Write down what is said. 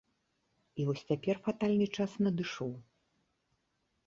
І вось цяпер фатальны час надышоў.